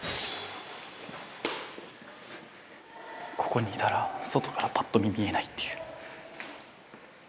ここにいたら外からぱっと見見えないっていう。